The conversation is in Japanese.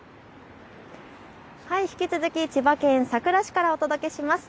引き続き千葉県佐倉市からお届けします。